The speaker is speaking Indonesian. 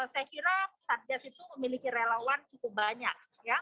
saya kira satgas itu memiliki relawan cukup banyak